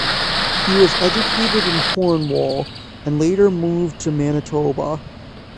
He was educated in Cornwall, and later moved to Manitoba.